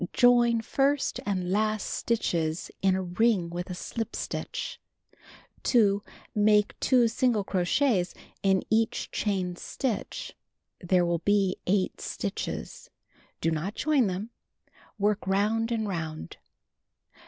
Join first and last stitches in a ring with a slip stitch. 2. Make 2 single crochets in each chain stitch. There will be 8 stitches. Do not join them. Work round and round.